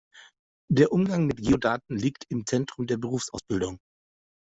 Der Umgang mit Geodaten liegt im Zentrum der Berufsausbildung.